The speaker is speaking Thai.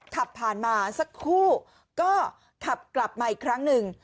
ขับผ่านมาสักครู่ก็ขับกลับมาอีกครั้งหนึ่ง